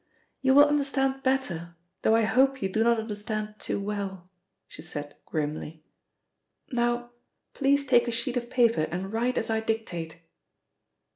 "You will understand better, though I hope you do not understand too well," she said grimly. "Now, please take a sheet of paper and write as I dictate."